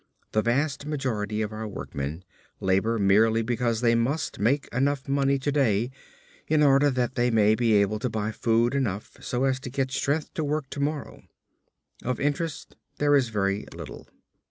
The vast majority of our workmen labor merely because they must make enough money to day, in order that they may be able to buy food enough so as to get strength to work to morrow. Of interest there is very little.